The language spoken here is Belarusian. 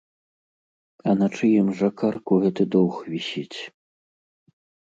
А на чыім жа карку гэты доўг вісіць?